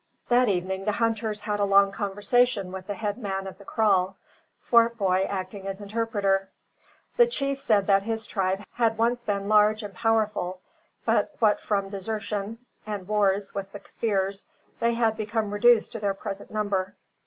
That evening the hunters had a long conversation with the head man of the kraal, Swartboy acting as interpreter. The chief said that his tribe had once been large and powerful; but what from desertion, and wars with the Kaffirs, they had become reduced to their present number.